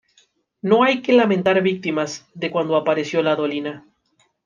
No hay que lamentar víctimas de cuando apareció la dolina.